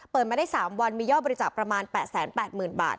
มาได้๓วันมียอดบริจาคประมาณ๘๘๐๐๐บาท